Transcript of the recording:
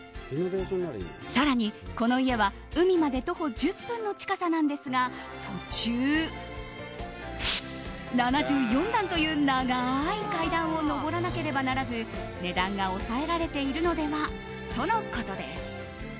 更に、この家は海まで徒歩１０分の近さなんですが途中、７４段という長い階段を登らなければならず値段が抑えられているのではとのことです。